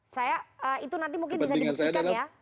saya itu nanti mungkin bisa dibuat ikat ya